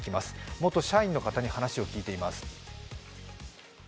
元社員の方に話を聞いています。